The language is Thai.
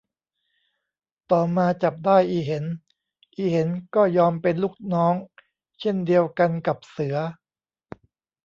ต่อมาจับได้อีเห็น อีเห็นก็ยอมเป็นลูกน้อง เช่นเดียวกันกับเสือ